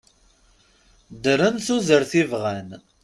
Ddren tudert i bɣan.